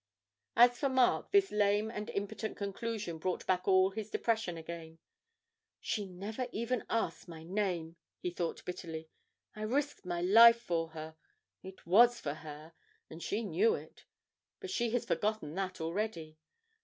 As for Mark, this lame and impotent conclusion brought back all his depression again. 'She never even asked my name!' he thought, bitterly. 'I risked my life for her it was for her, and she knew it: but she has forgotten that already.